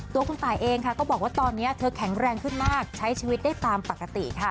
ตัวคุณตายเองค่ะก็บอกว่าตอนนี้เธอแข็งแรงขึ้นมากใช้ชีวิตได้ตามปกติค่ะ